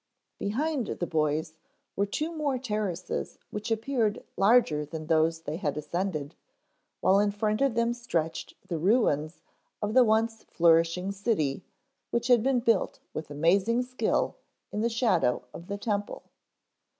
Behind the boys were two more terraces which appeared larger than those they had ascended, while in front of them stretched the ruins of the once flourishing city which had been built with amazing skill in the shadow of the Temple.